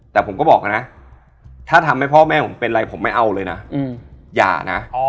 แต่ผมก็บอกนะถ้าทำให้พ่อแม่ผมเป็นอะไรผมไม่เอาเลยนะอย่านะ